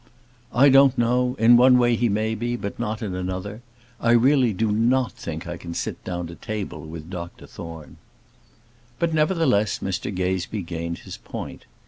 "I don't know: in one way he may be, but not in another. I really do not think I can sit down to table with Doctor Thorne." But, nevertheless, Mr Gazebee gained his point.